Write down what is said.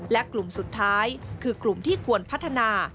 และกลุ่มสุดท้ายคือกลุ่มที่ควรพัฒนา